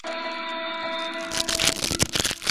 کرکه په ټولنه کې جنګ او نفاق رامنځته کوي.